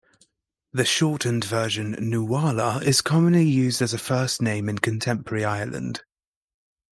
The shortened version Nuala is commonly used as a first name in contemporary Ireland.